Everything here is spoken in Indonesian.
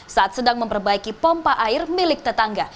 saat sedang memperbaiki pompa air milik tetangga